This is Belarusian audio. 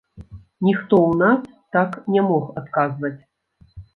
Ніхто ў нас так не мог адказваць.